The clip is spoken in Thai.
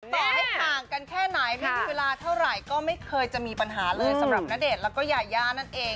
แต่ให้ห่างกันแค่ไหนไม่มีเวลาเท่าไหร่ก็ไม่เคยจะมีปัญหาเลยสำหรับณเดชน์แล้วก็ยายานั่นเอง